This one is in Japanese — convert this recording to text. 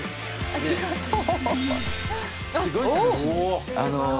ありがとう。